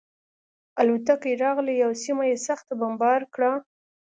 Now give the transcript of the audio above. الوتکې راغلې او سیمه یې سخته بمبار کړه